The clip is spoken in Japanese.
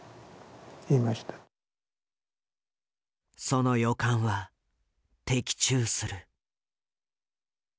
その予感は的中する。